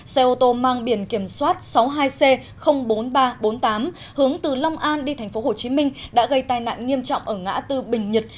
xe ô tô mang biển kiểm soát sáu mươi hai c bốn nghìn ba trăm bốn mươi tám hướng từ long an đi tp hcm đã gây tai nạn nghiêm trọng ở ngã tư bình nhật